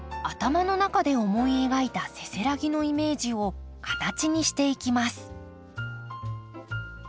頭の中で思い描いたせせらぎのイメージを形にしていきます。